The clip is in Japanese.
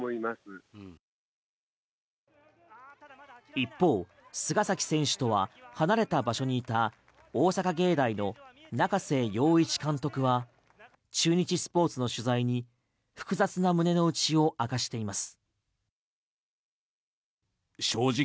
一方、菅崎選手とは離れた場所にいた大阪芸大の中瀬洋一監督は中日スポーツの取材に複雑な胸の内を明かしています。